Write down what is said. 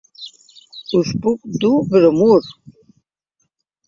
Us puc dur bromur!